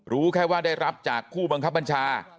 รู้แค่ว่าได้รับจากผู้บังคับบัญชา